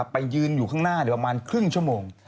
ไปยืนอยู่ข้างหน้าประมาณครึ่งชั่วโมง